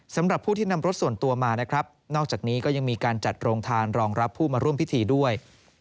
สำหรับผู้ที่นำรถส่วนตัวมานะครับนอกจากนี้ก็ยังมีการจัดโรงทานรองรับผู้มาร่วมพิธีด้วย